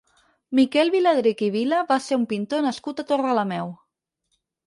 Miquel Viladrich i Vila va ser un pintor nascut a Torrelameu.